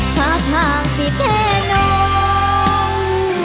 หากห่างสิแค่น้อง